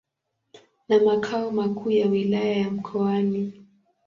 na makao makuu ya Wilaya ya Mkoani.